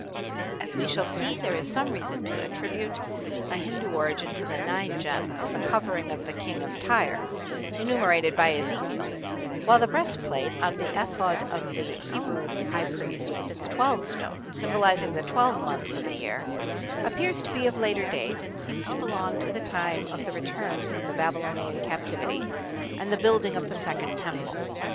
As we shall see, there is some reason to attribute a Hindu origin to the nine gems, "the covering" of the King of Tyre, enumerated by Ezekiel, while the breastplate on the ephod of the Hebrew high priest, with its twelve stones, symbolizing the twelve months of the year, appears to be of later date, and seems to belong to the time of the return from the Babylonian Captivity and the building of the second temple.